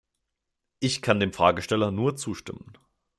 Ich kann dem Fragesteller nur zustimmen.